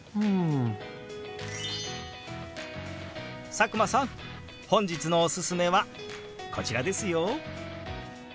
佐久間さん本日のおすすめはこちらですよ。